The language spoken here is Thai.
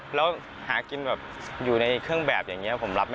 บริเวณหน้าหมอชิตครับผม